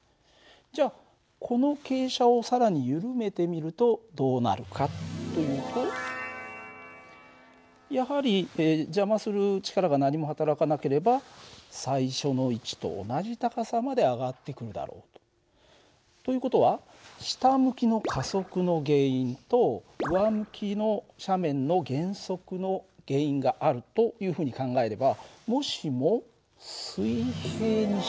じゃあこの傾斜を更に緩めてみるとどうなるかというとやはり邪魔する力が何もはたらかなければ最初の位置と同じ高さまで上がってくるだろうと。という事は下向きの加速の原因と上向きの斜面の減速の原因があるというふうに考えればもしも水平にしてしまうとどうなるか。